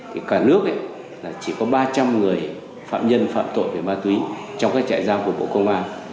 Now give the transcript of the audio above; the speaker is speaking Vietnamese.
thì cả nước là chỉ có ba trăm linh người phạm nhân phạm tội về ma túy trong các trại giam của bộ công an